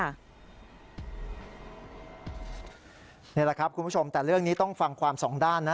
นี่แหละครับคุณผู้ชมแต่เรื่องนี้ต้องฟังความสองด้านนะ